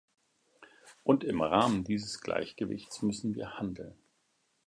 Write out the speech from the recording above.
Und im Rahmen dieses Gleichgewichts müssen wir handeln.